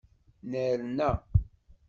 Nerna.